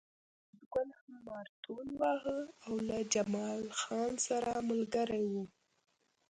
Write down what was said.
فریدګل هم مارتول واهه او له جمال خان سره ملګری و